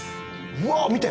うわっ見て！